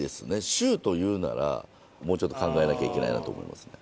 シューというならもうちょっと考えなきゃいけないなと思いますね